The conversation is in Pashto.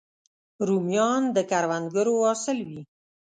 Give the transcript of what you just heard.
رومیان د کروندګرو حاصل وي